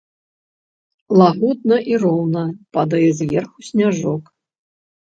Лагодна і роўна падае зверху сняжок.